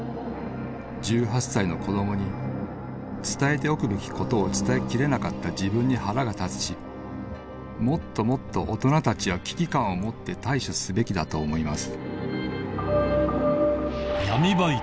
１８歳の子供に伝えておくべき事を伝えきれなかった自分に腹が立つしもっともっと大人たちは危機感を持って対処すべきだと思います」。